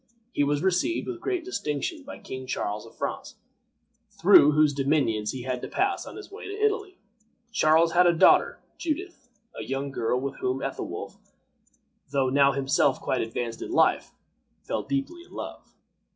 He was received with great distinction by King Charles of France, through whose dominions he had to pass on his way to Italy. Charles had a daughter, Judith, a young girl with whom Ethelwolf, though now himself quite advanced in life, fell deeply in love.